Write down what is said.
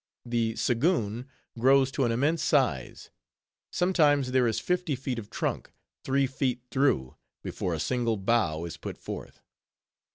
_ The sagoon grows to an immense size; sometimes there is fifty feet of trunk, three feet through, before a single bough is put forth.